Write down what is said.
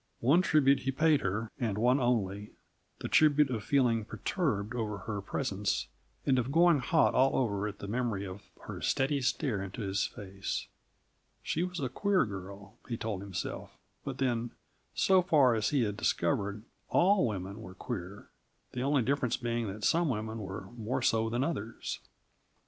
One tribute he paid her, and one only: the tribute of feeling perturbed over her presence, and of going hot all over at the memory of her steady stare into his face. She was a queer girl, he told himself; but then, so far as he had discovered, all women were queer; the only difference being that some women were more so than others.